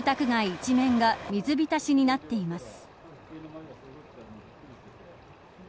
一面が水浸しになっています。